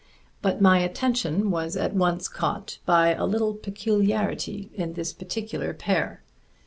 But my attention was at once caught by a little peculiarity in this particular pair.